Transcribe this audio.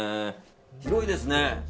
広いですね。